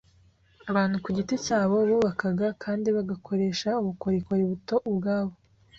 abantu ku giti cyabo bubakaga kandi bagakoresha ubukorikori buto ubwabo